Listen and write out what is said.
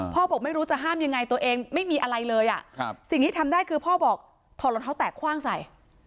บอกไม่รู้จะห้ามยังไงตัวเองไม่มีอะไรเลยสิ่งที่ทำได้คือพ่อบอกถอดรองเท้าแตกคว่างใส่